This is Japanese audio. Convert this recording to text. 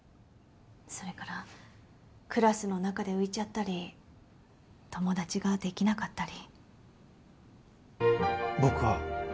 それからクラスの中で浮いちゃったり友達ができなかったり。